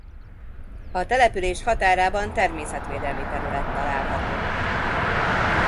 A település határában természetvédelmi terület található.